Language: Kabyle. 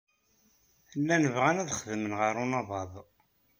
Llan bɣan ad xedmen ɣer unabaḍ.